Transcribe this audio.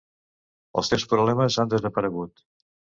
Els teus problemes han desaparegut.